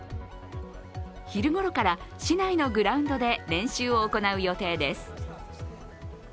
昼ごろから市内のグラウンドで練習を行う予定です。